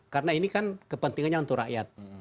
karena ini kan kepentingannya untuk rakyat